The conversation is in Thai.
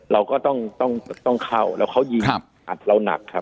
เราก็ต้องเข้าแล้วเขายิงอัดเราหนักครับ